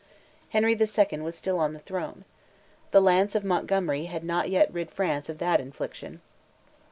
Henry the Second was still on the throne. The lance of Montgomery had not yet rid France of that infliction.